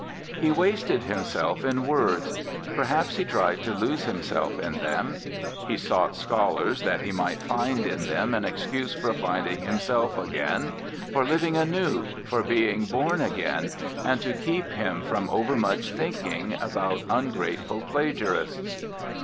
He wasted himself in words; perhaps he tried to lose himself in them. He sought scholars that he might find in them an excuse for finding himself again, for living anew, for being born again, and to keep him from overmuch thinking about ungrateful plagiarists.